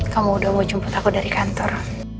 kamu udah mau jemput aku dari kantor